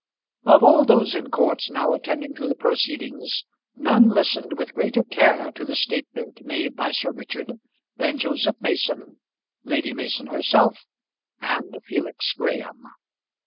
Of all those in court now attending to the proceedings, none listened with greater care to the statement made by Sir Richard than Joseph Mason, Lady Mason herself, and Felix Graham.